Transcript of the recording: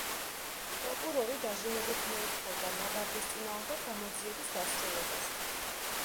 პროკურორი დაჟინებით მოითხოვდა ლაგარდის წინააღმდეგ გამოძიების დასრულებას.